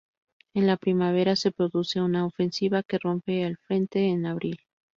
En la primavera se produce una ofensiva que rompe el frente en abril.